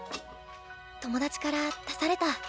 友達から出された。